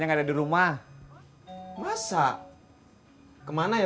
yang terakhir itu ibu basementnya